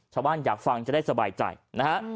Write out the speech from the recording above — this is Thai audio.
ชาวบ้านอยากฟังจะได้สบายใจนะฮะ